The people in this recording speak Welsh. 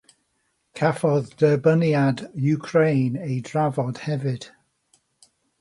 Cafodd derbyniad Wcráin ei drafod hefyd.